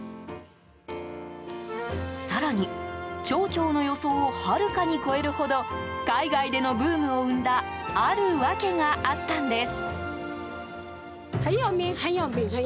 更に、町長の予想をはるかに超えるほど海外でのブームを生んだある訳があったんです。